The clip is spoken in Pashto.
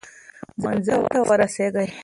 منزل ته ورسېږئ.